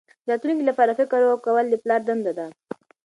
د راتلونکي لپاره فکر کول د پلار دنده ده.